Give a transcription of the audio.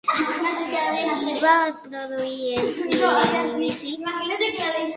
Qui havia de produir el film en inici?